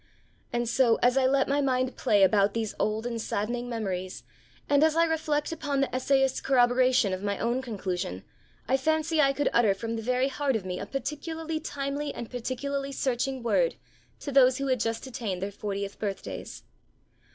And so, as I let my mind play about these old and saddening memories, and as I reflect upon the essayist's corroboration of my own conclusion, I fancy I could utter, from the very heart of me, a particularly timely and particularly searching word to those who had just attained their fortieth birthdays.